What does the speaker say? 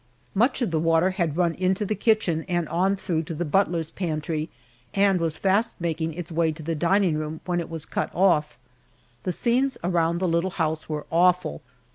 Much of the water had run into the kitchen and on through to the butler's pantry, and was fast making its way to the dining room when it was cut off. The scenes around the little house were awful.